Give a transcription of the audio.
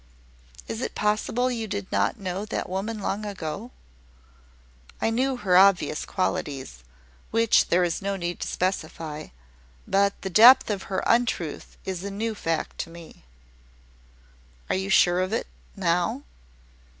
"Is it possible you did not know that woman long ago?" "I knew her obvious qualities, which there is no need to specify: but the depth of her untruth is a new fact to me." "Are you sure of it, now?"